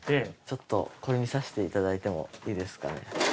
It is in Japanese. ちょっとこれ見させて頂いてもいいですかね？